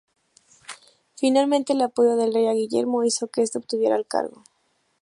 Finalmente, el apoyo del rey a Guillermo hizo que este obtuviera el cargo.